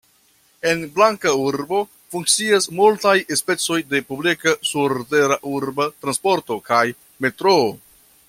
En Blanka urbo funkcias multaj specoj de publika surtera urba transporto kaj metroo.